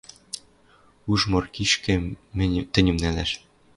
Уж Моркишкӹ тӹньӹм нӓлӓш